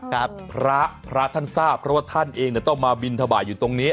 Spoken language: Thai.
ครับพระพระท่านทราบเพราะว่าท่านเองเนี่ยต้องมาบินทบาทอยู่ตรงนี้